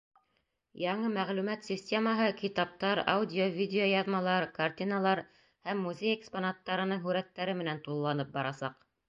Яңы мәғлүмәт системаһы китаптар, аудио-, видеояҙмалар, картиналар һәм музей экспонаттарының һүрәттәре менән тулыланып барасаҡ.